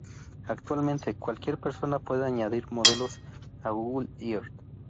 Actualmente, cualquier persona puede añadir modelos a Google Earth.